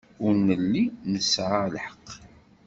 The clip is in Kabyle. Ur nelli nesɛa lḥeqq.